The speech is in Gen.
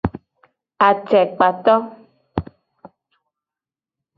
Acekpato.